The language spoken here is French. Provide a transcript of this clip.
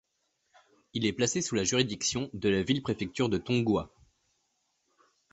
Il est placé sous la juridiction de la ville-préfecture de Tonghua.